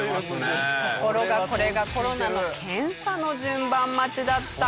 ところがこれがコロナの検査の順番待ちだった。